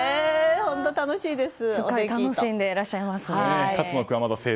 本当に楽しいです。